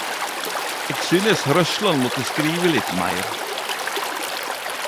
Eg synes Røssland måtte skrive litt meir.